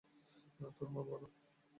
তোর মা বল।